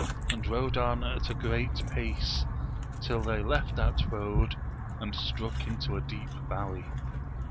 189 and rode on at a great pace, till they left that road, and struck into a deep valley.'